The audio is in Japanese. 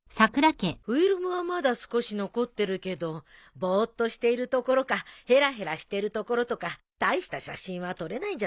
フィルムはまだ少し残ってるけどぼーっとしているところかへらへらしてるところとか大した写真は撮れないんじゃないかしらね。